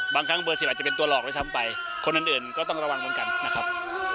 บางครั้งเบอร์๑๐อาจจะเป็นตัวหลอกด้วยซ้ำไปคนอื่นก็ต้องระวังเหมือนกันนะครับ